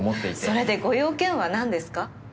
それでご用件はなんですか？